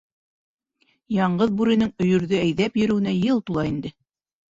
Яңғыҙ Бүренең өйөрҙө әйҙәп йөрөүенә йыл тула инде.